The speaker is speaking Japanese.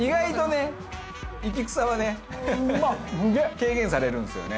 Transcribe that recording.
軽減されるんですよね。